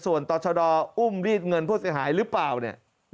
ส่วนต่อชะดออุ้มรีดเงินผู้เสียหายหรือเปล่าเนี่ย